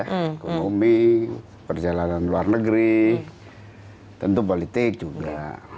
ekonomi perjalanan luar negeri tentu politik juga